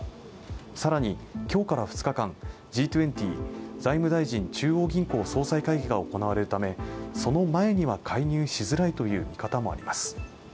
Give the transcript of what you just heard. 更に、今日から２日間、Ｇ２０財務大臣・中央銀行総裁が行われるため、その前には介入しづらいという見方もあります。